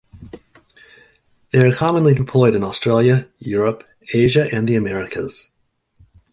They are commonly deployed in Australia, Europe, Asia and the Americas.